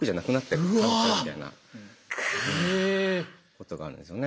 ことがあるんですよね。